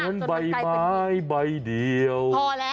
เหมือนใบไม้ใบเดียว